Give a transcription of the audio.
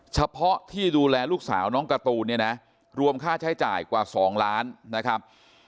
เฉพาะที่ดูแลลูกสาวน้องการ์ตูนเนี่ยนะรวมค่าใช้จ่ายกว่า๒ล้านนะครับ